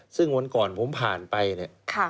ซึ่งวันก่อนผมผ่านไปเนี่ย